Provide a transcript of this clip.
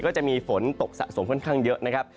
ก็จะมีฝนตกสะสมค่อนข้างเยอะนะครับ